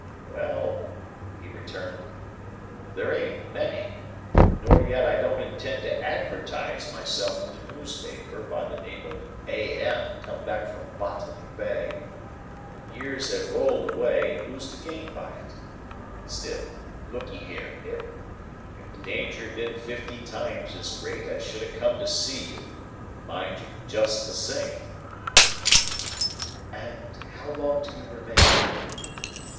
"Well," he returned, "there ain't many. Nor yet I don't intend to advertise myself in the newspapers by the name of A.M. come back from Botany Bay; and years have rolled away, and who's to gain by it? Still, look'ee here, Pip. If the danger had been fifty times as great, I should ha' come to see you, mind you, just the same." "And how long do you remain?"